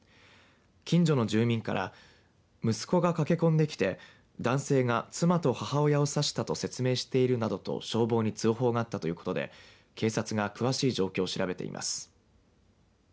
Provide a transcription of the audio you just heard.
近所の住民から息子が駆け込んできて男性が妻と母親を刺したと説明しているなどと消防に通報があったということで警察が詳しい状況を調べています。